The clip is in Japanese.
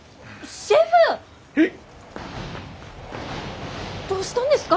えっ？